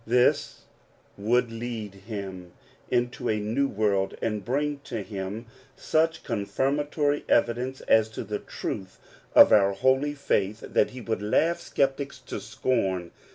This would lead him into a new world, and bring to him such confirmatory evidence as to the truth of our holy faith that he would laugh skeptics to scorn.